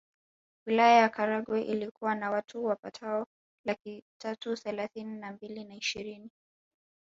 Wilaya ya Karagwe ilikuwa na watu wapatao laki tatu thelathini na mbili na ishirini